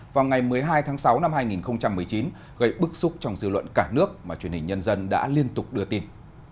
vào ngày một mươi hai tháng sáu năm hai nghìn một mươi chín gây bức xúc trong dư luận cả nước mà truyền hình nhân dân đã liên tục đưa tin